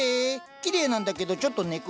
きれいなんだけどちょっと根暗？